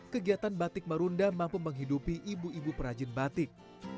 kegiatan batik marunda mampu menghidupi ibu ibu perajin batik